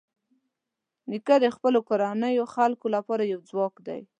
نیکه د خپلو کورنیو خلکو لپاره یو ځواک دی.